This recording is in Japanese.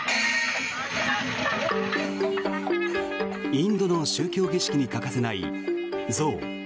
インドの宗教儀式に欠かせない象。